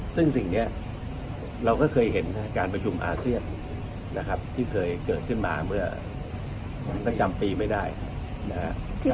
ซึ่งสิ่งนี้เราก็เคยเห็นการประชุมอาเซียนนะครับที่เคยเกิดขึ้นมาเมื่อประจำปีไม่ได้นะครับ